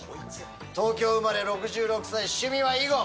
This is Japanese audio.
東京生まれ６６歳趣味は囲碁。